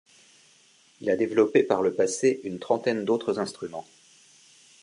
Il a développé par le passé une trentaine d'autres instruments.